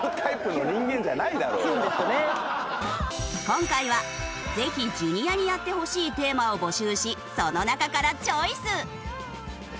今回はぜひＪｒ．にやってほしいテーマを募集しその中からチョイス！